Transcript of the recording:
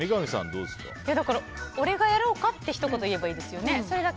だから俺がやろうかってひと言、言えばいいですよね。